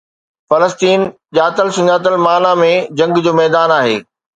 فلسطين ڄاتل سڃاتل معنى ۾ جنگ جو ميدان آهي.